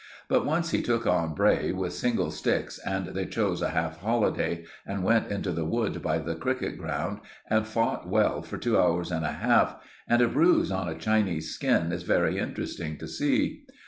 But once he took on Bray with single sticks, and they chose a half holiday and went into the wood by the cricket ground and fought well for two hours and a half; and a bruise on a Chinese skin is very interesting to see.